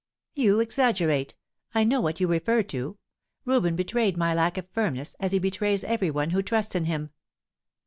"You exaggerate. I know what you refer to. Reuben betrayed my lack of firmness, as he betrays every one who trusts in him."